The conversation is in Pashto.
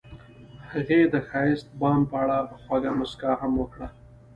هغې د ښایسته بام په اړه خوږه موسکا هم وکړه.